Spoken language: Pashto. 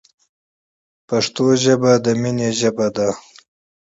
پښتو ژبه د مینې ژبه ده.